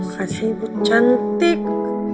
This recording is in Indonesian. kasih ibu cantik